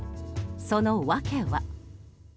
その訳は。